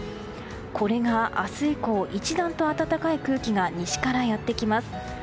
これが明日以降一段と暖かい空気が西からやってきます。